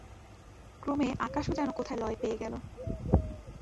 ক্রমে আকাশও যেন কোথায় লয় পেয়ে গেল।